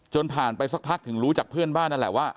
ผ่านไปสักพักถึงรู้จากเพื่อนบ้านนั่นแหละว่า